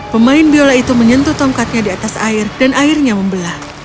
pemain biola itu menyentuh tongkatnya di atas air dan airnya membelah